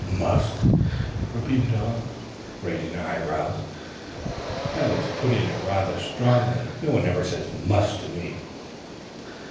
"'Must,'" repeated Eleanor, raising her eyebrows. "That is putting it rather strongly. No one ever says 'must' to me."